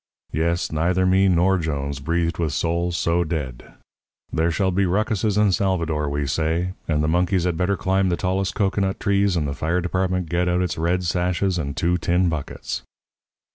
Yes, neither me nor Jones breathed with soul so dead. There shall be rucuses in Salvador, we say, and the monkeys had better climb the tallest cocoanut trees and the fire department get out its red sashes and two tin buckets.